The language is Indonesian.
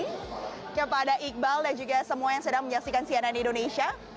terima kasih kepada iqbal dan juga semua yang sedang menyaksikan cnn indonesia